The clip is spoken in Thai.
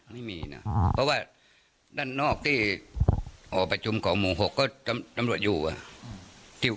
ไม่มีนะเพราะว่าด้านนอกที่ออกประชุมของหมู่๖ก็ตำรวจอยู่